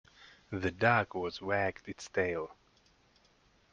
The dog was wagged its tail.